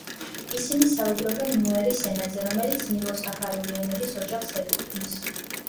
ისინი საუბრობენ ნუერის ენაზე, რომელიც ნილო-საჰარული ენების ოჯახს ეკუთვნის.